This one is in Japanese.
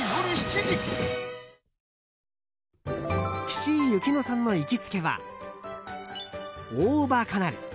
岸井ゆきのさんの行きつけはオーバカナル。